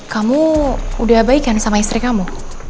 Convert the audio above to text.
kamu udah baik kan sama istri kamu